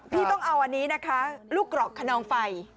พี่ต้องเอาอันนี้นะคะลูกกรอกขนองไฟ